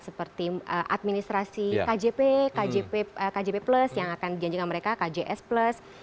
seperti administrasi kjp kjp plus yang akan dijanjikan mereka kjs plus